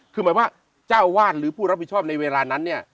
คือหมายว่าเจ้าวาดหรือผู้รับผิดชอบในเวลานั้นเนี่ย